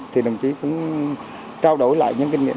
thì đồng chí cũng trao đổi lại những kinh nghiệm